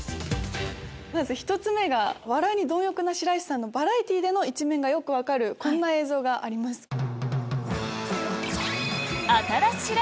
まず１つ目が笑いに貪欲な白石さんのバラエティーでの一面がよく分かるこんな映像があります。